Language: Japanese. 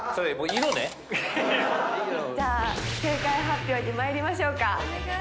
じゃあ正解発表にまいりましょうかお願い！